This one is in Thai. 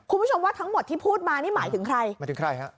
คุณผู้ชมว่าทั้งหมดที่พูดมานี่หมายถึงใครหมายถึงใครฮะ